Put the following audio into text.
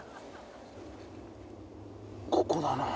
ここだな。